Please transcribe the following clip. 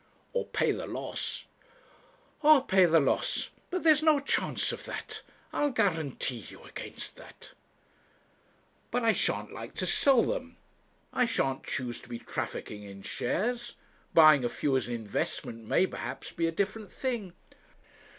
'Or pay the loss.' 'Or pay the loss. But there's no chance of that. I'll guarantee you against that.' 'But I shan't like to sell them. I shan't choose to be trafficking in shares. Buying a few as an investment may, perhaps, be a different thing.'